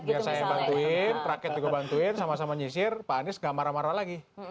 biar saya yang bantuin rakyat juga bantuin sama sama nyisir pak anies gak marah marah lagi